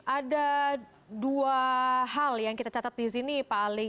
ada dua hal yang kita catat di sini pak ali